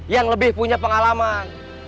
yang lebih punya pengalaman